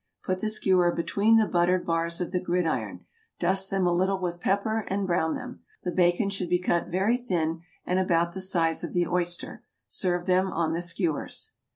Put the skewer between the buttered bars of the gridiron, dust them a little with pepper and brown them. The bacon should be cut very thin and about the size of the oyster. Serve them on the skewers.